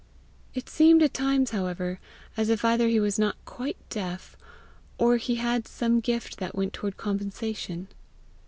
It seemed at times, however, as if either he was not quite deaf, or he had some gift that went toward compensation.